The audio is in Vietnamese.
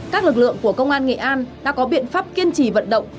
các lực lượng của công an nghệ an đã có biện pháp kiên trì vận động